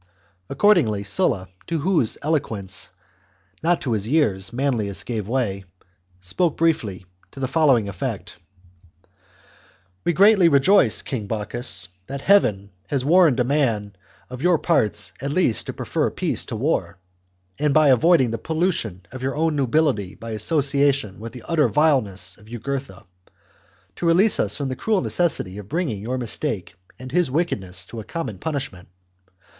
Accordingly, Sulla, to whose eloquence, not to his years, Manlius gave way, spoke briefly to the following effect :— "We greatly rejoice. King Bocchus, that heaven has warned a man of your parts at last to prefer peace to war, and, by avoiding the pollution of your own nobility by association with the utter vile ness of Jugurtha, to release us from the cruel necessity of bringing your mistake and his wickedness to a common punishment.